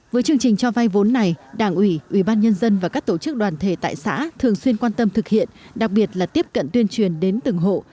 với chương trình cho vay vốn này đảng ủy ủy ban nhân dân và các tổ chức đoàn thể tại xã thường xuyên quan tâm thực hiện đặc biệt là tiếp cận tuyên truyền đến từng hộ